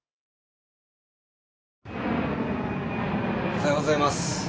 おはようございます。